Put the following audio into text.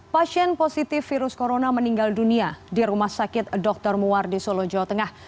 pasien positif virus corona meninggal dunia di rumah sakit dr muwardi solo jawa tengah